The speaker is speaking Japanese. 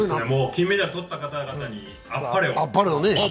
金メダルとった方々にあっぱれを。